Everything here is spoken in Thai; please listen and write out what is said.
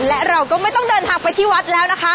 และเราก็ไม่ต้องเดินทางไปที่วัดแล้วนะคะ